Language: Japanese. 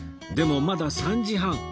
でもまだ３時半